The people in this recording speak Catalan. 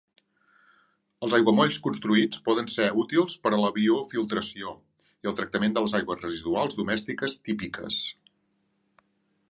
Els aiguamolls construïts poden ser útils per a la biofiltració i el tractament de les aigües residuals domèstiques típiques.